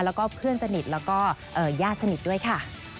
แล้วก็เพื่อนสนิทแล้วก็ญาติสนิทด้วยค่ะ